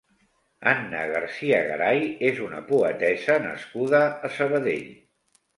Anna Garcia Garay és una poetessa nascuda a Sabadell.